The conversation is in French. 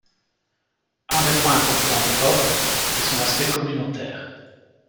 Un des points importants de Hordes est son aspect communautaire.